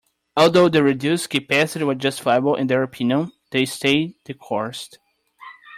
Although the reduced capacity was justifiable in their opinion, they stayed the course.